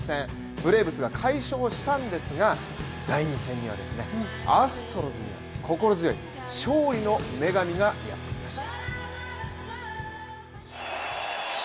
ブレーブスが快勝したんですが、第２戦にはですね、心強い勝利の女神がやってきました。